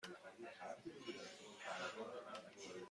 چرخ دستی های خرید کجا هستند؟